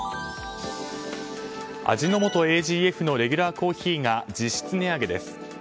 味の素ＡＧＦのレギュラーコーヒーが実質値上げです。